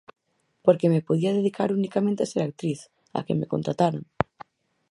Porque me podía dedicar unicamente a ser actriz, a que me contrataran.